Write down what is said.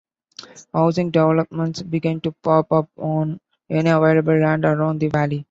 Housing developments began to pop up on any available land around the Valley.